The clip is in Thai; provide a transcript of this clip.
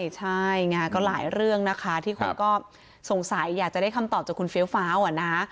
ใช่ไงก็หลายเรื่องนะคะที่คนก็สงสัยอยากจะได้คำตอบจากคุณเฟี้ยวฟ้าวอะนะ